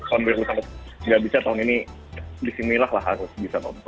sebenarnya gue nggak bisa tahun ini disini lah harus bisa nonton